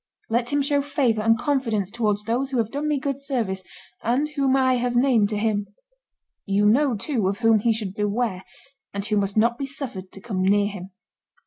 Let him show favor and confidence towards those who have done me good service and whom I have named to him. You know, too, of whom he should beware, and who must not be suffered to come near him."